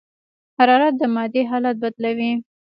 حرارت د مادې حالت بدلوي.